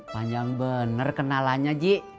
panjang bener kenalannya ji